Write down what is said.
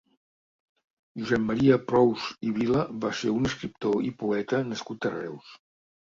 Josep Maria Prous i Vila va ser un escriptor i poeta nascut a Reus.